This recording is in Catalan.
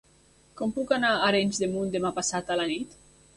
Com puc anar a Arenys de Munt demà passat a la nit?